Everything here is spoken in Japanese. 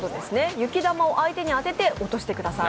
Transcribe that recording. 雪球を相手に当てて落としてください。